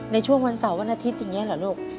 ในช่วงวันเสาร์วันอาทิตย์อย่างนี้เหรอลูก